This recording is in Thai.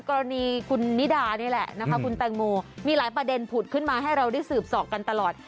กรณีคุณนิดานี่แหละนะคะคุณแตงโมมีหลายประเด็นผุดขึ้นมาให้เราได้สืบสอบกันตลอด